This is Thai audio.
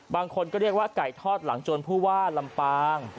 บางคนก็เรียกว่าไก่ทอดหลังจนผู้ว่าลำปาง